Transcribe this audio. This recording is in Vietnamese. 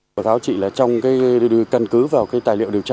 cô tháo trị là trong cái đưa cân cứ vào cái tài liệu điều tra